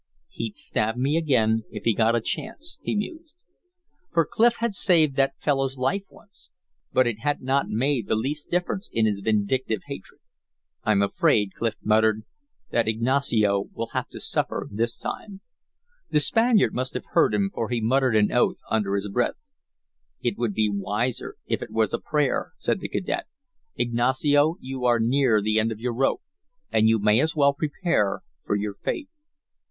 "He'd stab me again if he got a chance," he mused. For Clif had saved that fellow's life once; but it had not made the least difference in his vindictive hatred. "I'm afraid," Clif muttered, "that Ignacio will have to suffer this time." The Spaniard must have heard him, for he muttered an oath under his breath. "It would be wiser if it was a prayer," said the cadet. "Ignacio, you are near the end of your rope, and you may as well prepare for your fate."